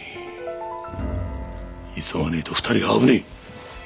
急がねえと２人が危ねえ。